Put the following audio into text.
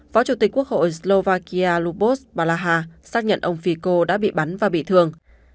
phó chủ tịch quốc hội slovakia lubos balaha xác nhận ông fico đã bị bắn và bị thương